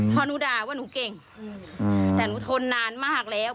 พอหนูด่าว่าหนูเก่งแต่หนูทนนานมากแล้ว